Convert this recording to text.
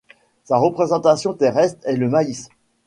Sa représentation terrestre est le maïs.